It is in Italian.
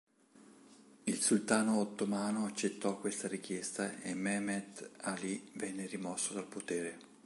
Il sultano ottomano accettò questa richiesta e Mehmet Ali venne rimosso dal potere.